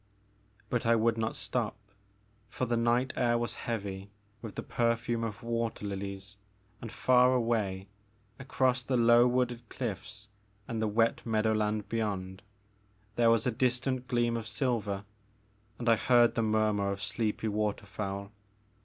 But I would not stop, for the night air was heavy with the perfume of water lilies and far away, across the low wooded cliflFs and the wet meadowland beyond, there was a distant gleam of silver, and I heard the murmur of sleepy waterfowl.